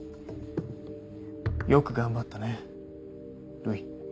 よく頑張ったね瑠衣。